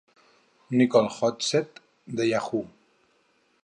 Nicole Hogsett de Yahoo!